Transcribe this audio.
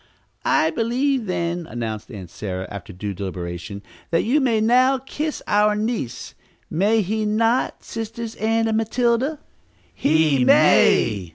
"I believe, then," announced Aunt Sarah, after due deliberation, "that you may now kiss our niece; may he not, Sisters Ann and Matilda?" "He may!"